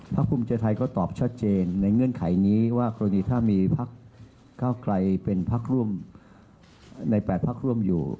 ภูมิใจไทยก็ตอบชัดเจนในเงื่อนไขนี้ว่ากรณีถ้ามีพักเก้าไกลเป็นพักร่วมใน๘พักร่วมอยู่